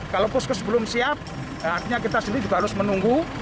kalau puskes belum siap artinya kita sendiri juga harus menunggu